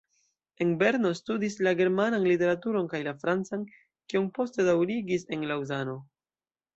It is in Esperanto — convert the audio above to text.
En Berno studis la germanan literaturon kaj la francan, kion poste daŭrigis en Laŭzano.